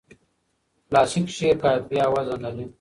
کلاسیک شعر قافیه او وزن لري.